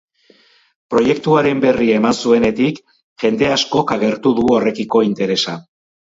Proiektuaren berri eman zuenetik jende askok agertu du horrekiko interesa.